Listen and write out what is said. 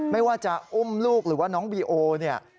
ไม่ว่าจะอุ้มลูกหรือว่าน้องบีโอเนี่ย